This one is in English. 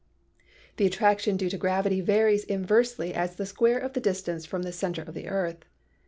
The attraction due to gravity varies inversely as the square of the distance from the center of the earth.